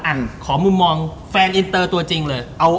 ขอมุมมองแฟนอินเตอร์ตัวจริงเลย